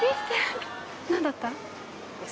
何だった？